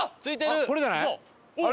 あっこれじゃない？